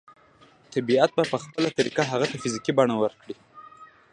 طبيعت به په خپله طريقه هغې ته فزيکي بڼه ورکړي.